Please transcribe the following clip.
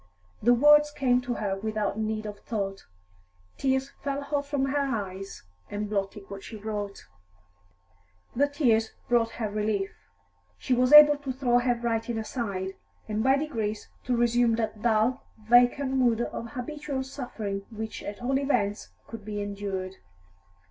The words came to her without need of thought; tears fell hot from her eyes and blotted what she wrote. The tears brought her relief; she was able to throw her writing aside, and by degrees to resume that dull, vacant mood of habitual suffering which at all events could be endured.